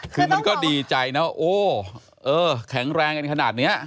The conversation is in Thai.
คือมันก็ดีใจนะโอ้เออแข็งแรงกันขนาดนี้